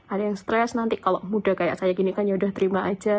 ada yang stres nanti kalau muda kayak saya gini kan yaudah terima aja